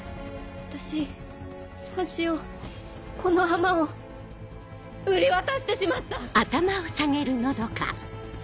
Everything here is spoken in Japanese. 私さんしをこの浜を売り渡してしまった！